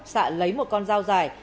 sạ lấy một con dao dài